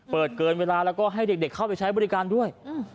เกินเวลาแล้วก็ให้เด็กเข้าไปใช้บริการด้วย